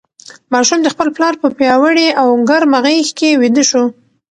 ماشوم د خپل پلار په پیاوړې او ګرمه غېږ کې ویده شو.